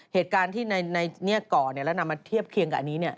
เหตุการณ์ที่ในก่อแล้วนำมาเทียบเคียงกับอันนี้